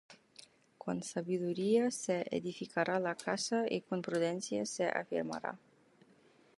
Con sabiduría se edificará la casa, Y con prudencia se afirmará;